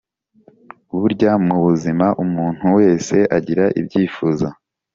Burya mu buzima umuntu wese agira ibyifuzo